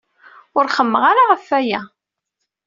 Ur xemmemeɣ ara ɣef waya.